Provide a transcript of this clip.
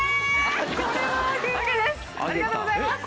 ありがとうございます！